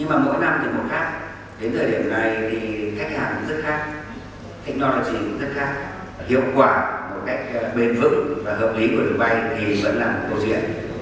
hiệu quả một cách bền vững và hợp lý của đường bay thì vẫn là một câu chuyện